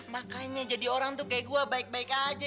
makanya jadi orang tuh kayak gue baik baik aja